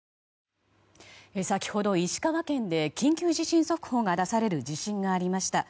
先ほど、石川県で緊急地震速報が出される地震がありました。